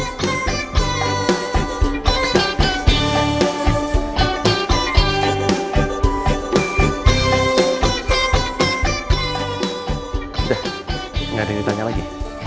udah gak ada yang ditanya lagi